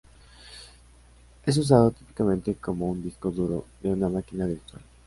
Es usado típicamente como un disco duro de una máquina virtual.